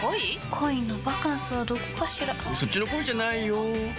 恋のバカンスはどこかしらそっちの恋じゃないよ